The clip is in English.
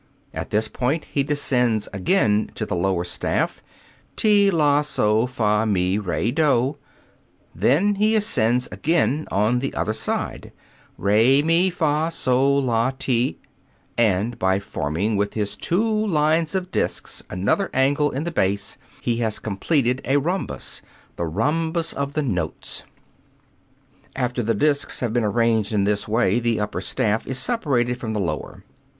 At this point he descends again to the lower staff, ti, lah, soh, fah, mi, re, doh, then he ascends again on the other side: re, mi, fah, soh, lah, ti, and by forming with his two lines of discs another angle in the bass, he has completed a rhombus, "the rhombus of the notes." After the discs have been arranged in this way, the upper staff is separated from the lower.